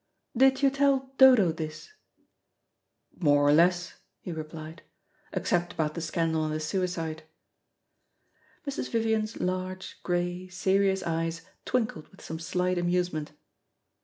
"Did you tell Dodo this?" "More or less," he replied. "Except about the scandal and the suicide." Mrs. Vivian's large, grey, serious eyes twinkled with some slight amusement.